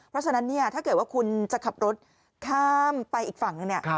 เพราะฉะนั้นถ้าเกิดว่าคุณจะขับรถข้ามไปอีกฝั่ง